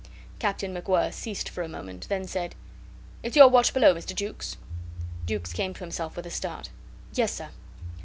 Captain MacWhirr ceased for a moment, then said, "It's your watch below, Mr. Jukes?" Jukes came to himself with a start. "Yes, sir."